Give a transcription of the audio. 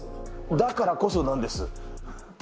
だからこそなんです。